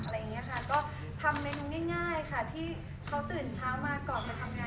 แบบทำเมนูง่ายให้เค้าตื่นเช้ามาก่อนไปทำงาน